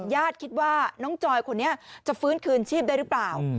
ญาติคิดว่าน้องจอยคนนี้จะฟื้นคืนชีพได้หรือเปล่า